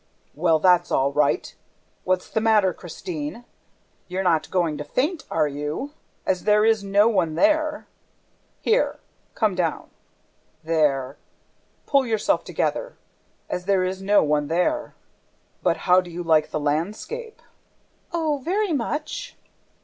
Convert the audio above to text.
"Well, that's all right! ... What's the matter, Christine? You're not going to faint, are you ... as there is no one there? ... Here ... come down ... there! ... Pull yourself together ... as there is no one there! ... BUT HOW DO YOU LIKE THE LANDSCAPE?" "Oh, very much!"